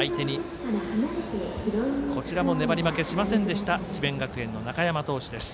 粘り負けしませんでした智弁学園の中山投手です。